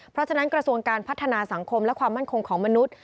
เพราะฉะนั้นกระทรวงการพัฒนาสังคมและความมั่นคงของมนุษย์